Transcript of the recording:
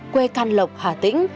quê can lộc hà tĩnh